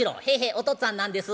お父っつぁん何です？」。